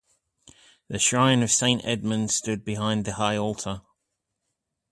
The shrine of Saint Edmund stood behind the high altar.